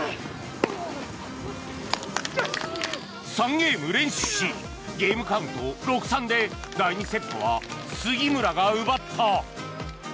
３ゲーム連取しゲームカウント、６−３で第２セットは杉村が奪った。